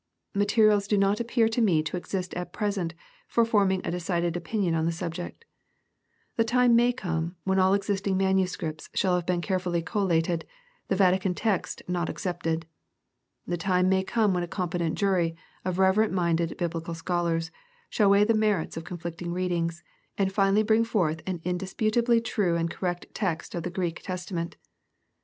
Materials do not appear to me to exist at present for forming a decided opinion on the subject. The time may come when all existing manuscripts shall have been carefiilly collated, the Vatican text not ex cepted. The time may come when a competent jury of reverent minded Biblical scholars, shall weigh the merits of conflicting readings, and finlly bring forth an indisputably true and correct text of the Greek Testa ment.